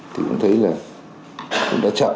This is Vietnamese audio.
thì cũng thấy là cũng đã chậm